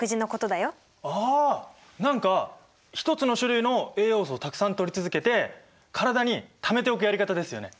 あ何か１つの種類の栄養素をたくさんとり続けて体にためておくやり方ですよね！